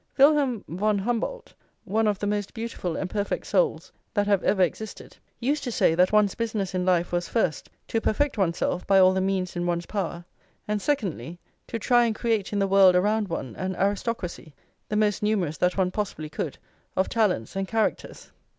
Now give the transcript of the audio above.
Wilhelm von Humboldt, one of the most beautiful and perfect souls that have ever existed, used to say that one's business in life was, first, to perfect oneself by all the means in one's power, and, secondly, to try and create in the world around one an aristocracy, the most numerous that one possibly could, of talents and characters.